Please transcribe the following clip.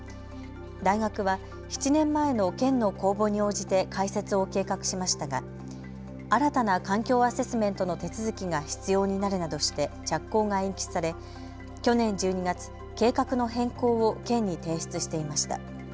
大学は７年前の県の公募に応じて開設を計画しましたが新たな環境アセスメントの手続きが必要になるなどして着工が延期され去年１２月、計画の変更を県に提出していました。